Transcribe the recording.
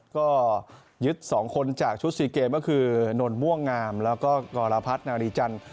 ก็ยึด๒คนจากชุด๔เกมก็คือนนม่วงงามแล้วก็กรพัฒนารีจันทร์